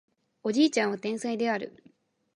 おじいちゃんは天才である